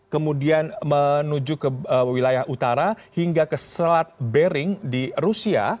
kemudian menuju ke wilayah utara hingga ke selat bering di rusia